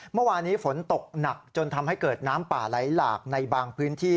เมื่อวานี้ฝนตกหนักจนทำให้เกิดน้ำป่าไหลหลากในบางพื้นที่